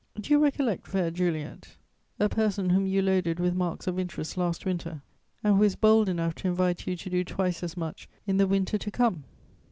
_ "Do you recollect, fair Juliet, a person whom you loaded with marks of interest last winter and who is bold enough to invite you to do twice as much in the winter to come?